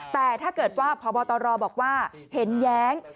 แต่ถ้าเกิดว่าพบตรบอกว่าเห็นแย้ง